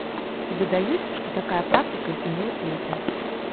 І дадаюць, што такая практыка існуе ў свеце.